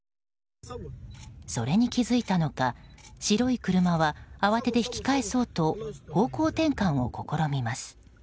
それに気づいたのか白い車は、慌てて引き返そうと方向転換を試みます。